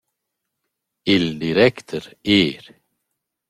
Il directer eir.